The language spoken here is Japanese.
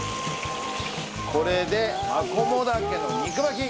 これでマコモダケの肉巻き完成です！